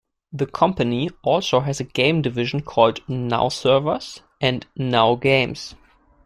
The Company also has a game division called "Now Servers" and "Now Games".